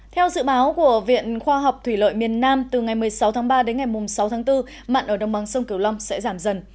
theo dự báo của viện khoa học thủy lợi miền nam từ ngày một mươi sáu tháng ba đến ngày sáu tháng bốn mặn ở đồng bằng sông kiều long sẽ giảm dần